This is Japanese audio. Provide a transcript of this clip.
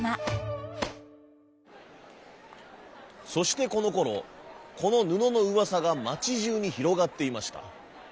そしてこのころこのぬののうわさがまちじゅうにひろがっていました。